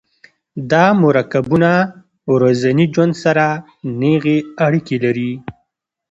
دا مرکبونه ورځني ژوند سره نیغې اړیکې لري.